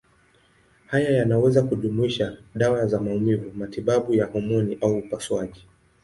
Haya yanaweza kujumuisha dawa za maumivu, matibabu ya homoni au upasuaji.